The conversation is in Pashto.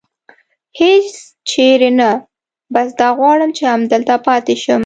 هېڅ چېرې نه، بس دا غواړم چې همدلته پاتې شم.